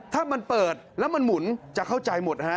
ถ้ามันเปิดแล้วมันหมุนจะเข้าใจหมดฮะ